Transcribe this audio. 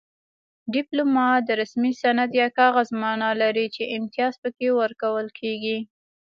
ډیپلوما د رسمي سند یا کاغذ مانا لري چې امتیاز پکې ورکول کیږي